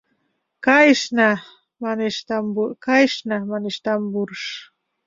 «Кайышна, — манеш, — тамбурыш.